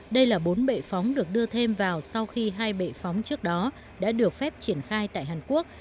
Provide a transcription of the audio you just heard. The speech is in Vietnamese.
đây là bốn bệ phóng được đưa thêm vào sau khi hai bệ phóng trước đó đã được phép triển khai tại hàn quốc